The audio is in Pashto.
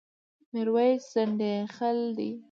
ميرويس ځنډيخيل ډه